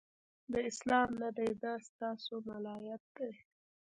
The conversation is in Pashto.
دا اسلام نه دی، د ستا سو ملایت دی